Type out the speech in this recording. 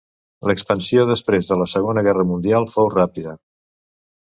L'expansió després de la Segona Guerra Mundial fou ràpida.